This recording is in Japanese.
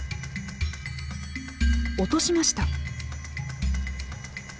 落としました。